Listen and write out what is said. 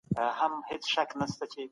بوديجه بايد ځانګړې شي.